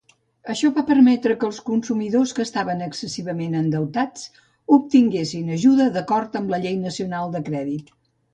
Això va permetre que els consumidors que estaven excessivament endeutats obtinguessin ajuda d'acord amb la Llei nacional de crèdit.